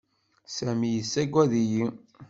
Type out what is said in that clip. Sami yessaggad-iyi.